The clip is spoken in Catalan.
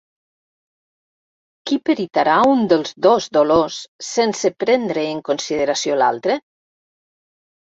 ¿Qui peritarà un dels dos dolors sense prendre en consideració l'altre?